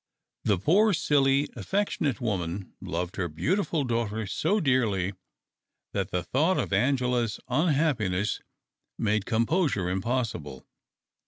The poor, silly affec tionate woman loved her beautiful daughter so dearly that the thought of Angela's unhappi ness made composure impossible.